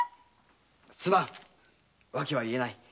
すまん訳は言えない。